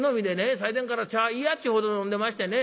最前から茶嫌っちゅうほど飲んでましてね